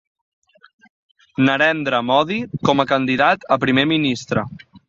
Narendra Modi com a candidat a primer ministre.